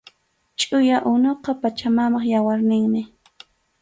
Chʼuya unuqa Pachamamap yawarninmi